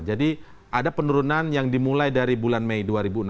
jadi ada penurunan yang dimulai dari bulan mei dua ribu enam belas